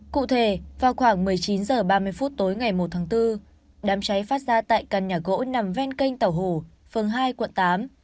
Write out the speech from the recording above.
cụ thể vào khoảng một mươi chín h ba mươi phút tối ngày một tháng bốn đám cháy phát ra tại căn nhà gỗ nằm ven kênh tàu hổ phường hai quận tám